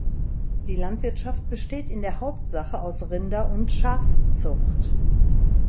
Die Landwirtschaft besteht in der Hauptsache aus Rinder- und Schafzucht.